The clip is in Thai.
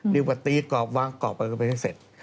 เรียกว่าตีกรอบวางกรอบไปก็เสร็จ